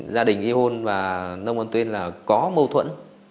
gia đình y hôn và nông văn tuyên là có mâu thuẫn